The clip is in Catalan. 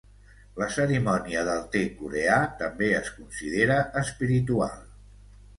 La cerimònia del te coreà també es considera espiritual.